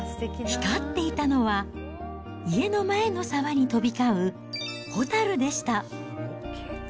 光っていたのは、家の前の沢に飛び交うホタルでした。